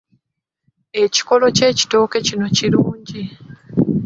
Ekikolo ky'ekitooke kino kirungi.